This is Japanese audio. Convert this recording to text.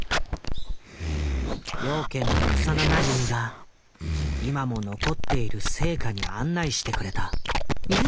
養賢の幼なじみが今も残っている生家に案内してくれた。